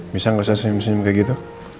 bisa nggak usah senyum senyum kayak gitu